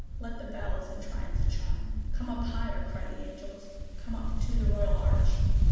Let the bells in triumph chime! "Come up higher!" cry the angels: "come up to the Royal Arch!